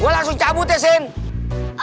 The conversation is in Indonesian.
gue langsung cabut ya sine